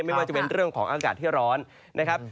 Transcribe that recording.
ไม่ว่าจะเป็นเรื่องของอากาศที่ร้อนนะครับ